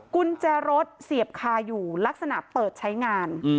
กุญแจรถเสียบคาอยู่ลักษณะเปิดใช้งาน